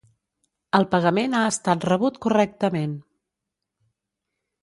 El pagament ha estat rebut correctament.